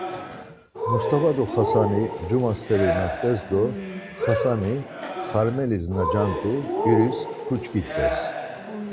Mustava do Xasani cuma steri na t̆es do Xasani xarmeli na cant̆u iris kuçkit̆es.